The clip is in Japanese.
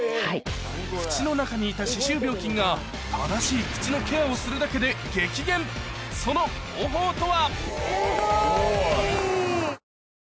口の中にいた歯周病菌が正しい口のケアをするだけで激減その方法とは？